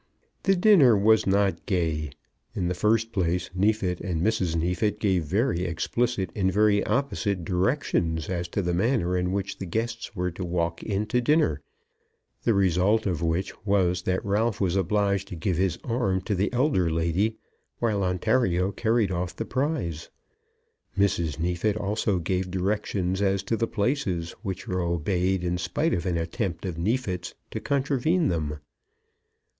The dinner was not gay. In the first place, Neefit and Mrs. Neefit gave very explicit and very opposite directions as to the manner in which their guests were to walk in to dinner, the result of which was that Ralph was obliged to give his arm to the elder lady, while Ontario carried off the prize. Mrs. Neefit also gave directions as to the places, which were obeyed in spite of an attempt of Neefit's to contravene them.